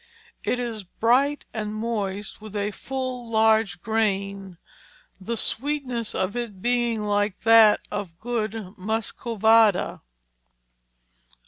It is bright and moist with a full large Grain, the Sweetness of it being like that of good Muscovada."